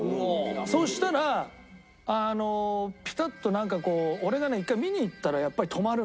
そしたらピタッとなんかこう俺がね１回見に行ったらやっぱり止まるんですよ